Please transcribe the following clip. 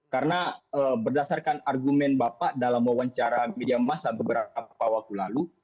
karena berdasarkan argumen bapak dalam wawancara media massa beberapa waktu lalu